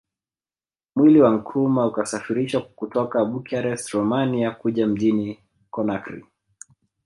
Mwili wa Nkrumah ukasafirishwa kutoka Bucharest Romania Kuja mjini Conakry